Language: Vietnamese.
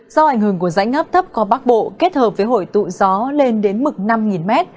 do ảnh hưởng của rãnh ngắp thấp qua bắc bộ kết hợp với hội tụ gió lên đến mực năm m